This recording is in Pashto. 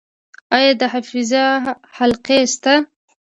آیا د حفظ حلقې شته؟